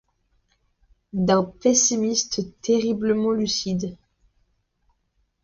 D’un pessimisme terriblement lucide.